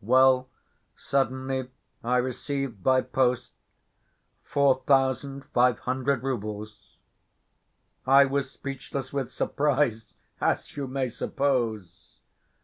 "Well, suddenly I received by post four thousand five hundred roubles. I was speechless with surprise, as you may suppose.